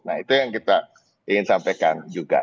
nah itu yang kita ingin sampaikan juga